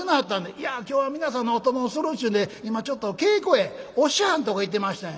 「いや今日は皆さんのお供をするっちゅうんで今ちょっと稽古へお師匠はんとこ行ってましたんや」。